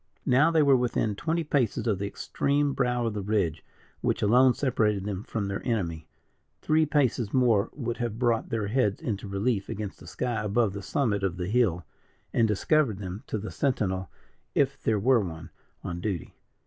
Now they were within twenty paces of the extreme brow of the ridge, which alone separated them from their enemy three paces more would have brought their heads into relief against the sky above the summit of the hill, and discovered them to the sentinel, if there were one, on duty.